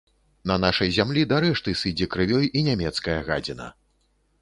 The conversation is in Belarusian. На нашай зямлі да рэшты сыдзе крывёй і нямецкая гадзіна.